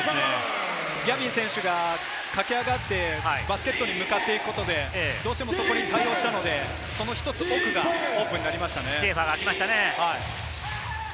ギャビン選手が駆け上がって、バスケットに向かっていくことでそこに対応したので、その一つ奥がオープンになりました。